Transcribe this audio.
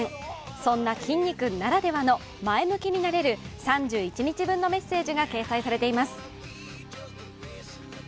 そんなきんに君ならではの前向きになれる３１日分のメッセージが掲載されています。